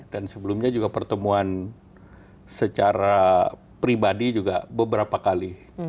dan sebelumnya juga pertemuan secara pribadi juga beberapa kali